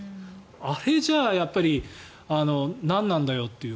あれじゃあ、やっぱりなんなんだよという。